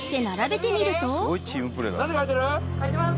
書いてます